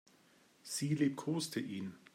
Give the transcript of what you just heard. Sie liebkoste ihn.